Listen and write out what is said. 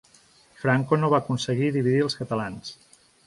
Franco no va aconseguir dividir els catalans.